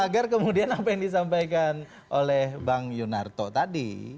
agar kemudian apa yang disampaikan oleh bang yunarto tadi